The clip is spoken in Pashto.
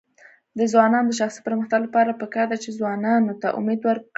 د ځوانانو د شخصي پرمختګ لپاره پکار ده چې ځوانانو ته امید ورکړي.